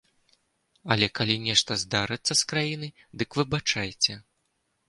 Але калі нешта здарыцца з краінай, дык выбачайце!